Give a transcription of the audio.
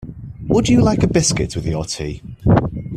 Would you like a biscuit with your tea?